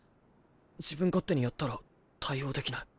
自分勝手にやったら対応できない。